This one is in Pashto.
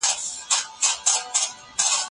هر څوک چي پښتو وایي، هغه زما ورور دی